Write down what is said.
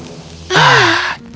temboknya menjadi transparan